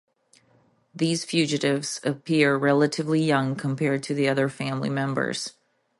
These fugitives appear relatively young compared to the other family members.